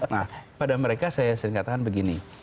nah pada mereka saya sering katakan begini